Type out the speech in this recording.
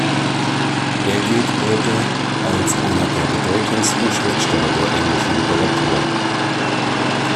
Er gilt heute als einer der bedeutendsten Schriftsteller der englischen Literatur.